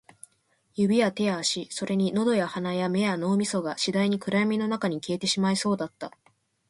指や手や足、それに喉や鼻や目や脳みそが、次第に暗闇の中に消えてしまいそうだった